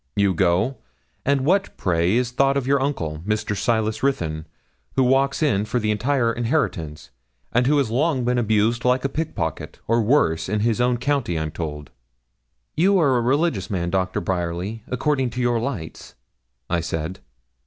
You go and what pray is thought of your uncle, Mr. Silas Ruthyn, who walks in for the entire inheritance, and who has long been abused like a pickpocket, or worse, in his own county, I'm told?' 'You are a religious man, Doctor Bryerly, according to your lights?' I said.